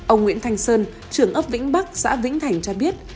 ông nguyễn thanh sơn trưởng ấp vĩnh bắc xã vĩnh thành cho biết